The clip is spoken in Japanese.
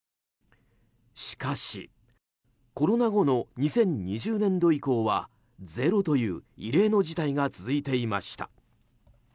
しかし、コロナ後の２０２０年度以降はゼロという異例の事態が続いていました。